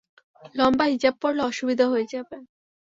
লম্বা হিজাব পড়লে অসুবিধা হয়ে যাবে।